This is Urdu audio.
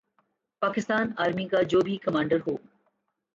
پاکستان آرمی کا جو بھی کمانڈر ہو۔